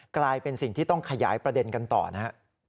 กลายเป็นสิ่งที่ต้องขยายประเด็นกันต่อนะฮะ